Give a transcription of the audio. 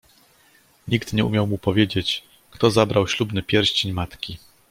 Nikt nie umiał mu powiedzieć, kto zabrał ślubny pierścień matki.